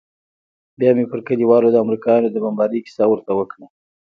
بيا مې پر کليوالو د امريکايانو د بمبارۍ کيسه ورته وکړه.